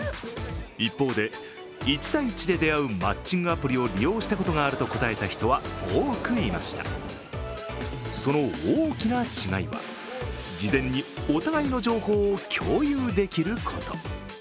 一方で、１対１で出会うマッチングアプリを利用したことがあると答えた人は多くいましたその大きな違いは、事前にお互いの情報を共有できること。